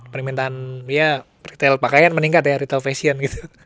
permintaan retail pakaian meningkat ya retail fashion gitu